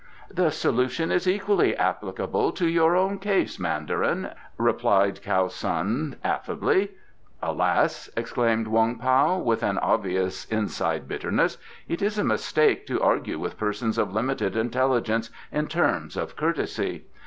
"The solution is equally applicable to your own case, mandarin," replied Kiau Sun affably. "Alas!" exclaimed Wong Pao, with an obvious inside bitterness, "it is a mistake to argue with persons of limited intelligence in terms of courtesy.